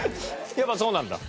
やっぱそうなんだ。